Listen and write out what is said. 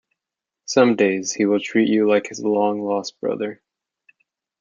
Some days he will treat you like his long-lost brother.